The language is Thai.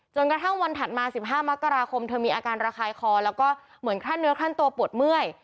กระทั่งวันถัดมา๑๕มกราคมเธอมีอาการระคายคอแล้วก็เหมือนคลั่นเนื้อคลั่นตัวปวดเมื่อย